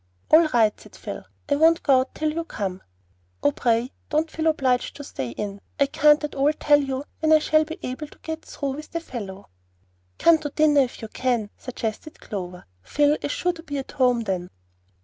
"All right," said Phil; "I won't go out till you come." "Oh, pray don't feel obliged to stay in. I can't at all tell when I shall be able to get through with the fellow." "Come to dinner if you can," suggested Clover. "Phil is sure to be at home then."